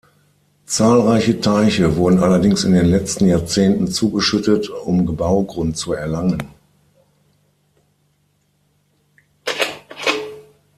Zahlreiche Teiche wurden allerdings in den letzten Jahrzehnten zugeschüttet, um Baugrund zu erlangen.